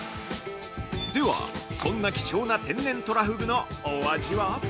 では、そんな貴重な天然とらふぐのお味は？